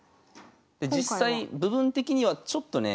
実際部分的にはちょっとね